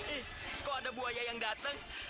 eh kok ada buaya yang dateng